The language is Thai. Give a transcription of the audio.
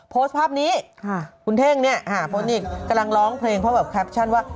พอสภาพนี้คุณเท่งเนี่ยกำลังร้องเพลงเพราะแบบแคปชั่นว่า